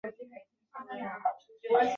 马岭竹为禾本科簕竹属下的一个种。